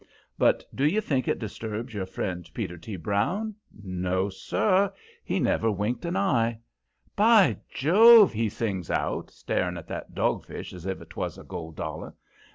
But do you think it disturbed your old friend, Peter Brown? No, sir! He never winked an eye. "By Jove!" he sings out, staring at that dogfish as if 'twas a gold dollar.